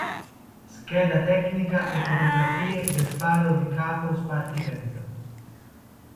Scheda tecnica e fotografie del faro di capo Spartivento